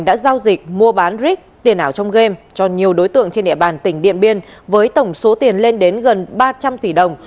đã giao dịch mua bán rick tiền ảo trong game cho nhiều đối tượng trên địa bàn tỉnh điện biên với tổng số tiền lên đến gần ba trăm linh tỷ đồng